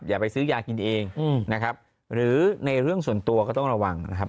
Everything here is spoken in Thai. อย่าไปซื้อยากินเองนะครับหรือในเรื่องส่วนตัวก็ต้องระวังนะครับ